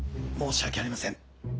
申し訳ありません。